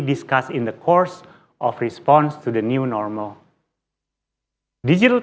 dalam perbincangan untuk menjawab keadaan baru